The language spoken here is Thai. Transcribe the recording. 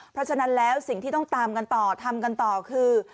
เพราะฉะนั้นแล้วสิ่งที่ต้องตามกันต่อทำกันต่อคือ